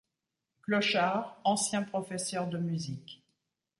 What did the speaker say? Clochard, ancien professeur de musique.